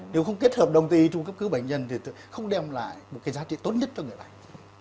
nếu không kết hợp đồng tư y trong cấp cứu bệnh nhân thì không đem lại một cái giá trị tốt nhất cho người bệnh